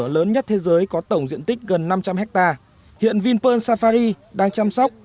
lớn nhất thế giới có tổng diện tích gần năm trăm linh hectare hiện vinpearl safari đang chăm sóc